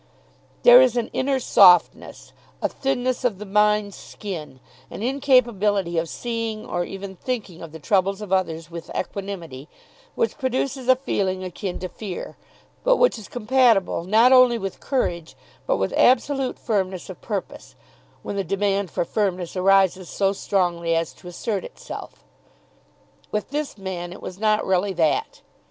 There is an inner softness, a thinness of the mind's skin, an incapability of seeing or even thinking of the troubles of others with equanimity, which produces a feeling akin to fear; but which is compatible not only with courage, but with absolute firmness of purpose, when the demand for firmness arises so strongly as to assert itself. With this man it was not really that.